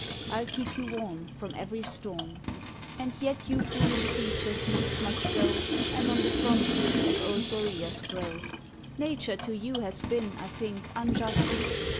I'll keep you warm From every storm; And yet you foolish creatures needs must go, And on the frontiers of old Boreas grow. Nature to you has been, I think, unjust."